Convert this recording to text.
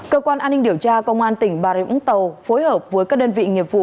cơ quan an ninh điều tra công an tỉnh bà rịa vũng tàu phối hợp với các đơn vị nghiệp vụ